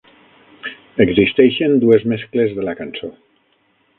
Existeixen dues mescles de la cançó.